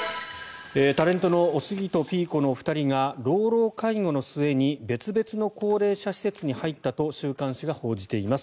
タレントのおすぎとピーコのお二人が老老介護の末に別々の高齢者施設に入ったと週刊誌が報じています。